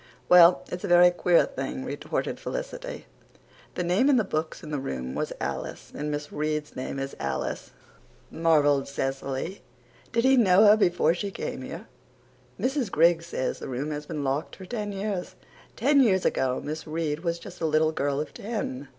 "Well, it's a very queer thing," retorted Felicity. "The name in the books in the room was Alice and Miss Reade's name is Alice," marvelled Cecily. "Did he know her before she came here?" "Mrs. Griggs says that room has been locked for ten years. Ten years ago Miss Reade was just a little girl of ten.